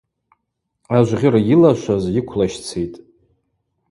Ажвгъьыр йылашваз йыквлащцитӏ.